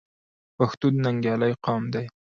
پښتون ننګیالی قوم دی.